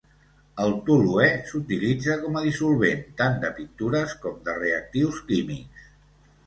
El toluè s'utilitza com a dissolvent, tant de pintures com de reactius químics.